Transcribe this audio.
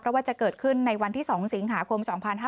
ว่าจะเกิดขึ้นในวันที่๒สิงหาคม๒๕๕๙